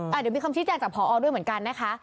เดี๋ยวมีคำชี้แจงจากพอด้วยเหมือนกันนะคะ